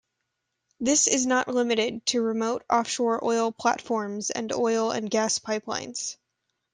This is not limited to remote offshore oil platforms and oil and gas pipelines.